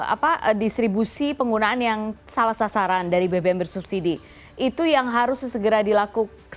apa distribusi penggunaan yang salah sasaran dari bbm bersubsidi itu yang harus segera dilakukan